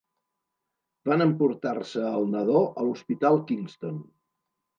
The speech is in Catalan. Van emportar-se al nadó a l'Hospital Kingston.